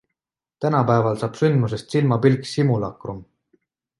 Tänapäeval saab sündmusest silmapilk simulacrum.